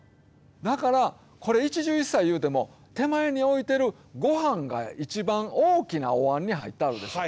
だから、一汁一菜いうても手前に置いてるごはんが一番大きなお椀に入ってはるでしょ。